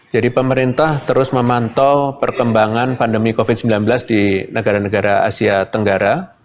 jadi pemerintah terus memantau perkembangan pandemi covid sembilan belas di negara negara asia tenggara